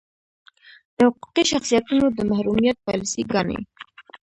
د حقوقي شخصیتونو د محرومیت پالیسي ګانې.